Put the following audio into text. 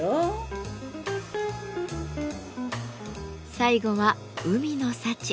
最後は海の幸。